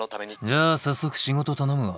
じゃあ早速仕事頼むわ。